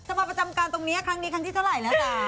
มาประจำการตรงนี้ครั้งนี้ครั้งที่เท่าไหร่แล้วจ๊ะ